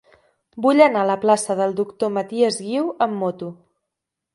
Vull anar a la plaça del Doctor Matias Guiu amb moto.